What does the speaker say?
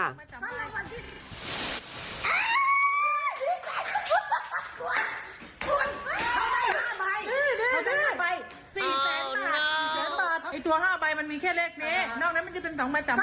๔แสนบาท๔แสนบาทไอ้ตัว๕ใบมันมีแค่เลขนี้นอก้นมันจะเป็น๒ใบต่ำไม้